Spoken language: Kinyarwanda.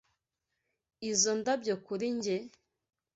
Izo ndabyo kuri njye?